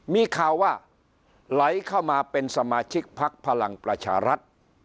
มีข่าวว่าไหลเข้ามาเป็นสมาชิกพักพลังประชารัฐ